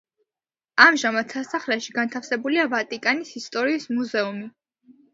ამჟამად სასახლეში განთავსებულია ვატიკანის ისტორიის მუზეუმი.